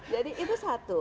jadi itu satu